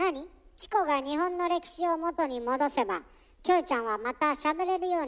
チコが日本の歴史を元に戻せばキョエちゃんはまたしゃべれるようになるってこと？